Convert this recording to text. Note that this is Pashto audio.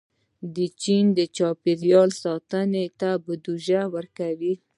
چین د چاپېریال ساتنې ته بودیجه ورکوي.